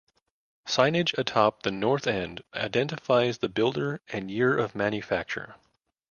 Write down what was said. Signage atop the north end identifies the builder and year of manufacture.